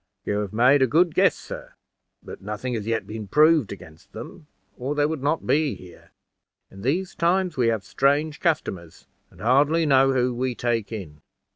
"You have made a good guess, sir; but nothing has yet been proved against them, or they would not be here. In these times we have strange customers, and hardly know who we take in.